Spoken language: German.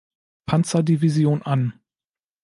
Panzer-Division an.